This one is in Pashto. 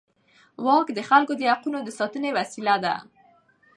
واک د خلکو د حقونو د ساتنې وسیله ده.